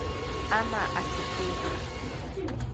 Ama asiyku.